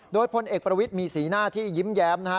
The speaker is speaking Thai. โดยพลเอกประวิทย์มีสีหน้าที่ยิ้มแย้มนะฮะ